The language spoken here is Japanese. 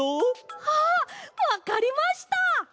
あっわかりました！